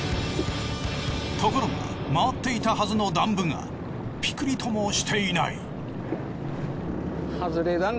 ところが回っていたはずのダンブがピクリともしていない。